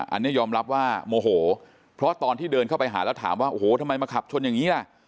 อันนี้ยอมรับว่าโมโหเพราะตอนที่เดินเข้าไปหาแล้วถามว่าโอ้โหทำไมมาขับชนอย่างนี้ล่ะ